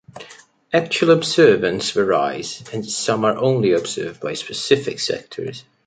Actual observance varies, and some are only observed by specific sectors.